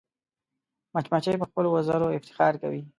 مچمچۍ په خپلو وزرو افتخار کوي